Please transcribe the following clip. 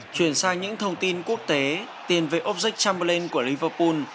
chuyển sang những thông tin quốc tế tiền về object chamberlain của liverpool